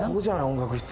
音楽室。